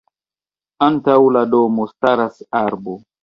Antaŭ la domo staras arbo.